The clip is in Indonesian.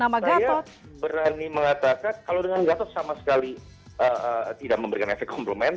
saya berani mengatakan kalau dengan gatot sama sekali tidak memberikan efek komplemen